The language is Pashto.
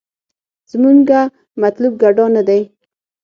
زمونګه مطلوب ګډا نه دې.